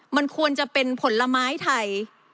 มันควรจะเป็นผลไม้ไทย